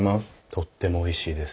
とってもおいしいです。